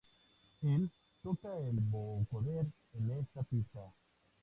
Él toca el vocoder en esta pista.